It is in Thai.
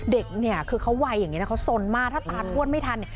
เด็กเนี่ยคือเขาวัยอย่างนี้นะเขาสนมากถ้าตาทวดไม่ทันเนี่ย